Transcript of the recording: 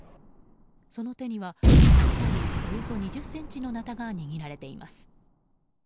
その手には刃渡りおよそ２０ｃｍのなたが握られています。